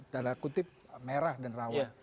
tanda kutip merah dan rawan